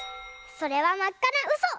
それはまっかなうそ！